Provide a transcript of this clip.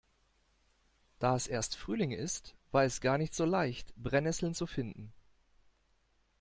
Da es erst Frühling ist, war es gar nicht so leicht, Brennesseln zu finden.